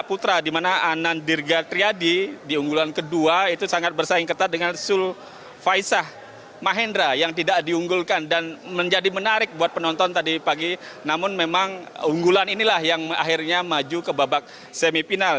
pada pagi pagi namun memang unggulan inilah yang akhirnya maju ke babak semipinal